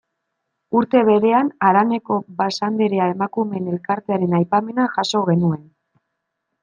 Urte berean, haraneko Basanderea emakumeen elkartearen aipamena jaso genuen.